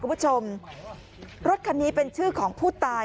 กลุ่มตัวเชียงใหม่